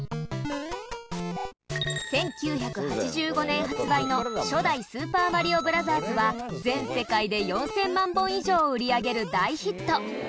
１９８５年発売の、初代『スーパーマリオブラザーズ』は全世界で４０００万本以上を売り上げる大ヒット